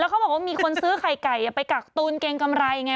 แล้วเขาบอกว่ามีคนซื้อไข่ไก่ไปกักตูนเกงกำไรอย่างไร